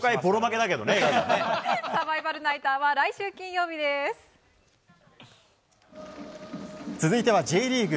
サバイバルナイターは続いてはＪリーグ。